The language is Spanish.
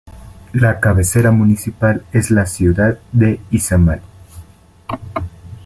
La cabecera municipal es la ciudad de Izamal.